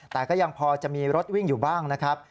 แต่ก็ยังพอจะมีรถวิ่งอยู่บ้างนะครับ